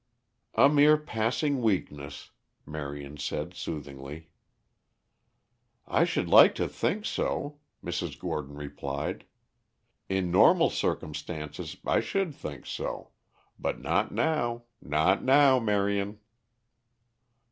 "A mere passing weakness," Marion said soothingly. "I should like to think so," Mrs. Gordon replied. "In normal circumstances I should think so. But not now; not now, Marion."